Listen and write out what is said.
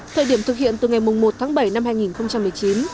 thời điểm thực hiện từ ngày một tháng bảy năm hai nghìn một mươi chín